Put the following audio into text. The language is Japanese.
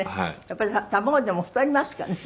やっぱり卵でも太りますからね。